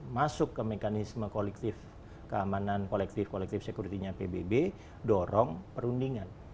masuk ke mekanisme kolektif keamanan kolektif kolektif security nya pbb dorong perundingan